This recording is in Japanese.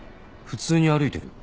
普通に歩いてる